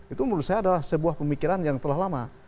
itu menurut saya adalah sebuah pemikiran yang telah lama